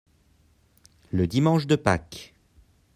Le dimanche de Pâques.